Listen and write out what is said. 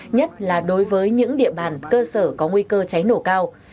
nhất là đối với những địa bàn cơ sở có nguy cơ cháy nổ cao